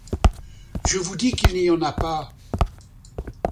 Je vous dis qu’il n’y en a pas !